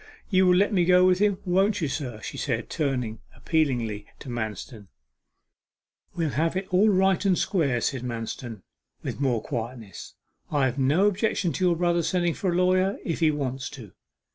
'You will let me go with him, won't you, sir?' she said, turning appealingly to Manston. 'We'll have it all right and square,' said Manston, with more quietness. 'I have no objection to your brother sending for a lawyer, if he wants to.